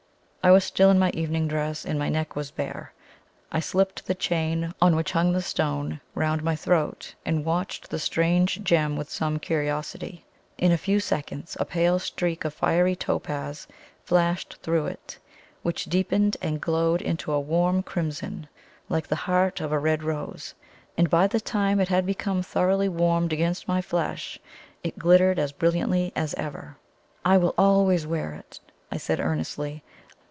I was still in my evening dress, and my neck was bare. I slipped the chain, on which hung the stone, round my throat, and watched the strange gem with some curiosity. In a few seconds a pale streak of fiery topaz flashed through it, which deepened and glowed into a warm crimson, like the heart of a red rose; and by the time it had become thoroughly warmed against my flesh, it glittered as brilliantly as ever. "I will always wear it," I said earnestly.